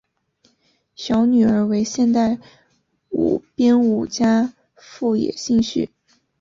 小女儿为现代舞编舞家富野幸绪。